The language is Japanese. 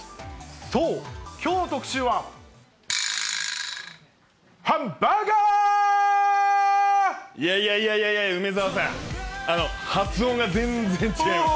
そう、きょうの特集は、いやいやいやいや、梅澤さん、発音が全然違います。